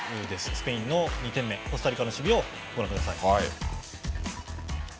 スペインの２点目コスタリカの守備をご覧ください。